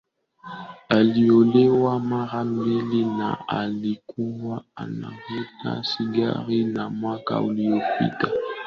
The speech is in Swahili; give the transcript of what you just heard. aliolewa mara mbili na alikuwa anavuta sigara na mwaka uliyopita akikuwa anakunywa sana pombe